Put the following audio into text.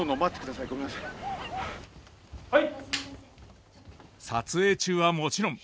はい。